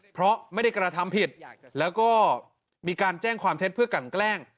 เพราะไม่ได้กระทำผิดแล้วก็มีการแจ้งความเท็จเพื่อกันแกล้ง